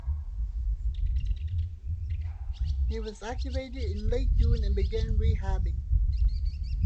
He was activated in late June and began rehabbing.